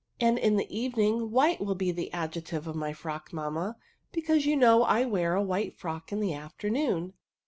" And in the evening white will be the adjective of my frock, mamma, because you know I wear, a white frock in the afternoon.